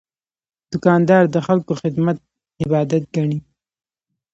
دوکاندار د خلکو خدمت عبادت ګڼي.